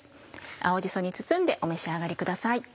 青じそに包んでお召し上がりください。